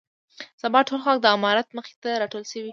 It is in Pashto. سبا ټول خلک د امارت مخې ته راټول شول.